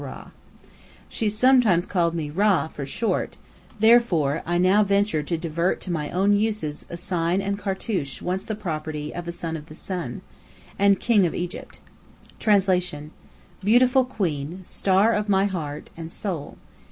She sometimes called me Rã for short, therefore I now ventured to divert to my own uses a sign and cartouche once the property of a "son of the Sun," and King of Egypt: [Illustration: "The Love Letter"] Translation: Beautiful Queen, Star (of) My Heart (and) Soul.